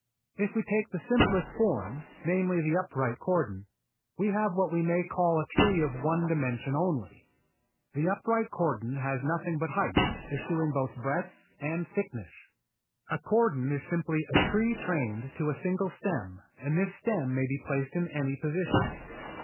If we take the simplest form, namely the upright cordon, we have what we may call a tree of one dimension only. The upright cordon has nothing but height, eschewing both breadth and thickness. A cordon is simply a tree trained to a single stem and this stem may be placed in any position.